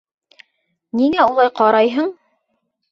Ниңә улай ҡарайһың?